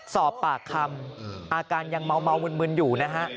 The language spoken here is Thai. สอบปากคำอาการยังเมามึนอยู่นะฮะ